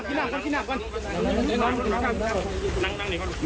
ก็ต้องลุก